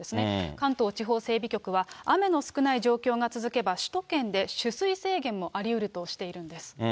関東地方整備局は、雨の少ない状況が続けば、首都圏で取水制限もありうるとしているんです。